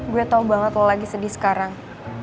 gue tau banget lo lagi sedih sekarang